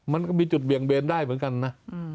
มันก็มีจุดเบี่ยงเบนได้เหมือนกันนะ